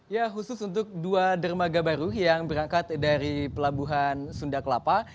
ya khusus untuk dua dermaga baru yang berangkat dari pelabuhan sunda kelapa